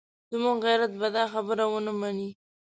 زموږ غیرت به دا خبره ونه مني.